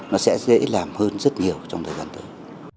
nó sẽ dễ làm hơn rất nhiều trong thời gian tới